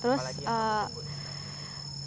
terus apa lagi yang kamu tunggu nih